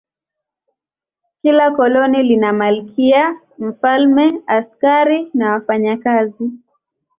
Kila koloni lina malkia, mfalme, askari na wafanyakazi.